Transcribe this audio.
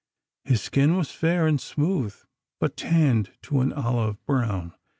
His skin was fair and smooth, but tanned to an olive brown.